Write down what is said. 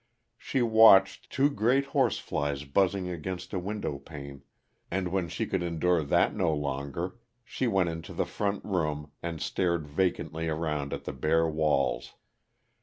She watched two great horseflies buzzing against a window pane, and when she could endure that no longer, she went into the front room and stared vacantly around at the bare walls.